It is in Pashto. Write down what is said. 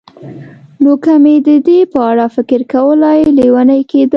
نو که مې د دې په اړه فکر کولای، لېونی کېدم.